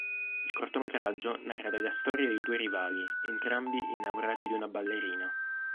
Il cortometraggio narra della storia di due rivali, entrambi innamorati di una ballerina.